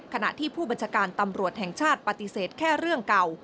ขณะที่ผู้บัญชาการตำรวจแห่งชาติปฏิเสธแค่เรื่องเก่า